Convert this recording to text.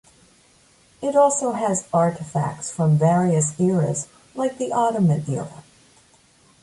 It also has artefacts from various eras like the Ottoman Era.